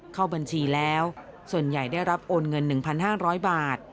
เข้าบัญชีแล้วส่วนใหญ่ได้รับโอนเงิน๑๕๐๐บาท